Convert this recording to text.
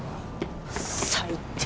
最低！